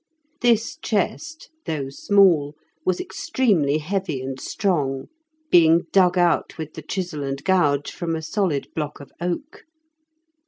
This chest, though small, was extremely heavy and strong, being dug out with the chisel and gouge from a solid block of oak.